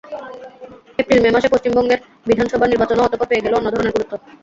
এপ্রিল-মে মাসে পশ্চিমবঙ্গের বিধানসভার নির্বাচনও অতঃপর পেয়ে গেল অন্য ধরনের গুরুত্ব।